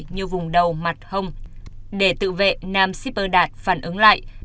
như vùng đầu mặt hông để tự vệ nam shipper đạt phản ứng lại